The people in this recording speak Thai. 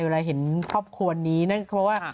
เวลาเห็นครอบครัวนี้นั่นเพราะว่า